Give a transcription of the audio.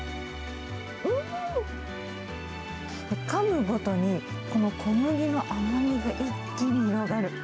うーん、かむごとに、この小麦の甘みが一気に広がる。